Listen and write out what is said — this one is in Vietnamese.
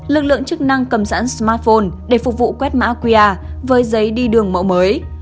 lực lượng chức năng cầm sẵn smartphone để phục vụ quét mã qr với giấy đi đường mẫu mới